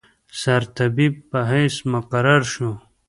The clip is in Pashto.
سرطبیب په حیث مقرر شو.